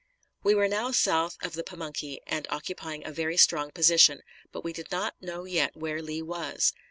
We were now south of the Pamunkey, and occupying a very strong position, but we did not know yet where Lee was.